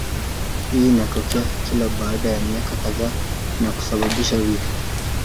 Hii inatokea kila baada ya miaka kadhaa na kusababisha vifo.